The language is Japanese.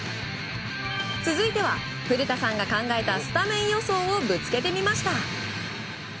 続いては、古田さんが考えたスタメン予想をぶつけてみました。